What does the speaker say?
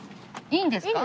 いいんですか？